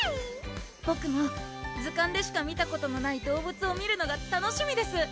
ボクも図鑑でしか見たことのない動物を見るのが楽しみです